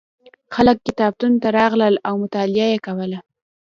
خلک کتابتون ته راتلل او مطالعه یې کوله.